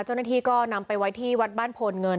เจ้าหน้าที่ก็นำไปไว้ที่วัดบ้านโพนเงิน